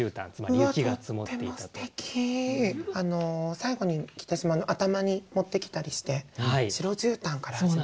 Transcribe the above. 最後に来てしまうのを頭に持ってきたりして「白絨毯」から始める。